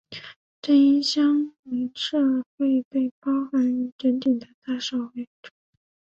正因乡民社会被包含于整体的大社会。